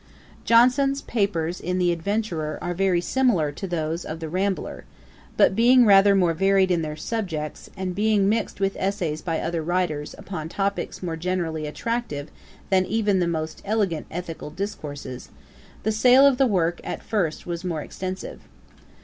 Johnson's papers in The Adventurer are very similar to those of The Rambler; but being rather more varied in their subjects, and being mixed with essays by other writers, upon topicks more generally attractive than even the most elegant ethical discourses, the sale of the work, at first, was more extensive.